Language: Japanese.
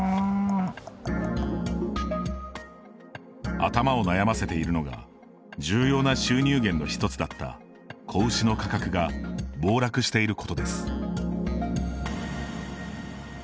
頭を悩ませているのが重要な収入源の一つだった子牛の価格が暴落していることです。